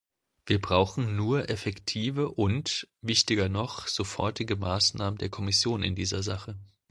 Wir brauchen nur effektive und, wichtiger noch, sofortige Maßnahmen der Kommission in dieser Sache.